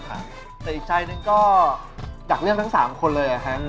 แต่อีกชัยหนึ่งก็อยากเลือกทั้ง๓คนเลยอะครับ